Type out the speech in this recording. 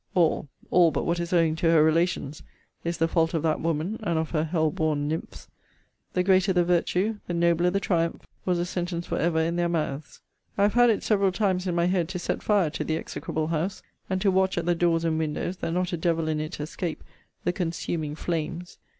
All, all, but what is owing to her relations, is the fault of that woman, and of her hell born nymphs. The greater the virtue, the nobler the triumph, was a sentence for ever in their mouths. I have had it several times in my head to set fire to the execrable house; and to watch at the doors and windows, that not a devil in it escape the consuming flames.